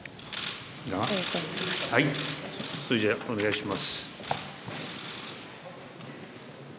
それじゃあお願いします。